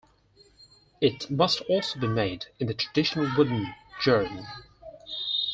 It must also be made in the traditional wooden 'gerle'.